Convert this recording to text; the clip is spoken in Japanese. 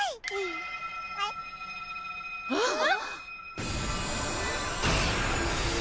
あっ！